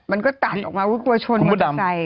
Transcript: มันก็ตัดออกมาก็กลัวชนมันจะใส่